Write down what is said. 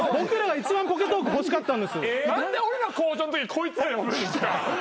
何で俺らの『向上』のときこいつら呼ぶんですか。